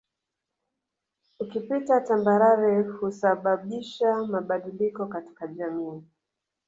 Ukipita tambarare husababisha mabadiliko katika jamii